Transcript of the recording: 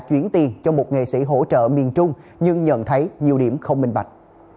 chuyển tiền cho một nghệ sĩ hỗ trợ miền trung nhưng nhận thấy nhiều điểm không minh bạch